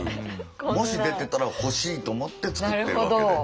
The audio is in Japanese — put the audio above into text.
もし出てたら欲しいと思って作ってるわけで。